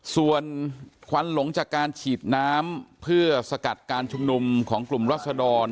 ส่วนควันหลงจากการฉีดน้ำเพื่อสกัดการชุมนุมของกลุ่มรัศดร